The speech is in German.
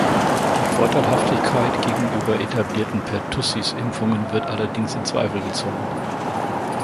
Die Vorteilhaftigkeit gegenüber etablierten Pertussis-Impfungen wird allerdings in Zweifel gezogen.